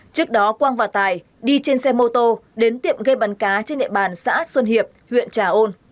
trước đó quang và tài đi trên xe mô tô đến tiệm ga bắn cá trên địa bàn xã xuân hiệp huyện trà ôn